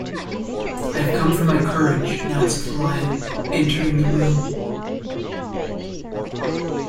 "I have come for my courage," announced the Lion, entering the room.